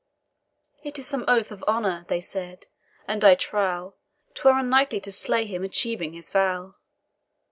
"It is some oath of honour," they said, "and I trow, 'Twere unknightly to slay him achieving his vow."